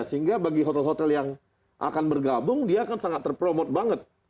sehingga bagi hotel hotel yang akan bergabung dia akan sangat terpromote banget